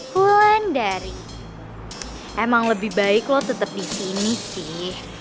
hulandari emang lebih baik lo tetep disini sih